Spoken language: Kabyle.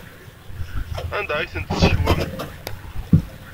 Anda ay ten-tessekwem?